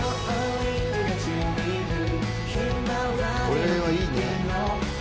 これはいいね。